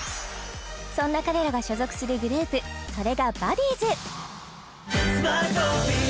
そんな彼らが所属するグループそれがＢＵＤＤｉｉＳ